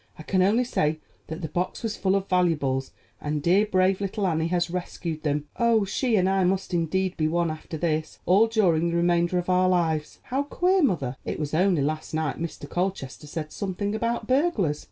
I can only say that the box was full of valuables, and dear, brave little Annie has rescued them. Oh, she and I must indeed be one after this, all during the remainder of our lives. How queer, mother; it was only last night Mr. Colchester said something about burglars.